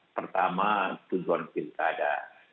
pertama tujuan pilkada